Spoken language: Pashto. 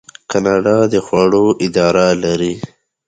کاناډا د خوړو اداره لري.